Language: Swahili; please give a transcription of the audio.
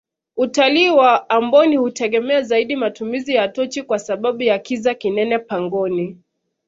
utalii wa amboni hutegemea zaidi matumizi ya tochi kwa sababu ya kiza kinene pangoni